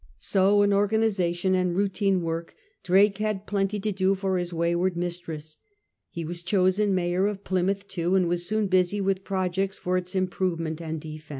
So in organisation and routine work Drake had plenty to do for his wayward mis tress. He was chosen Mayor of Plymouth too, and was soon busy with projects for its improvement and defence.